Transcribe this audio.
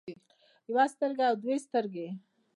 يوه سترګه او دوه سترګې